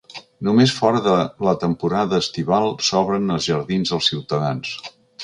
Només fora de la temporada estival s’obren els jardins als ciutadans.